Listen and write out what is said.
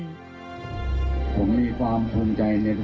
ผมมีความภูมิใจในทุกคนขอให้พวกเราแสดงพลังว่า